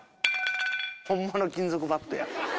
ホンマの金属バットや。